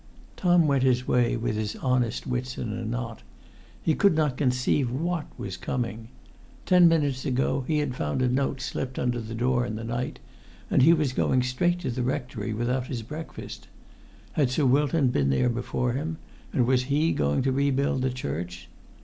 Tom went his way with his honest wits in a knot. He could not conceive what was coming. Ten min[Pg 102]utes ago he had found a note slipped under the door in the night, and he was going straight to the rectory without his breakfast. Had Sir Wilton been there before him, and was he going to rebuild the church?